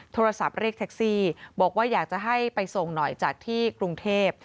โทรศัพท์เรียกแท็กซี่บอกว่าอยากจะให้ไปส่งหน่อยจากที่กรุงเทพ